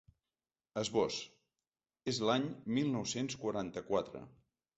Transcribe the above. Esbós: És l’any mil nou-cents quaranta-quatre.